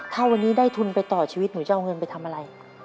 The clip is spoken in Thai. ถ้าวันนี้ได้ทุนไปต่อชีวิตหนูจะเอาเงินไปทำอะไร